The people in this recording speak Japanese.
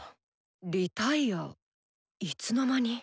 リタイアいつの間に。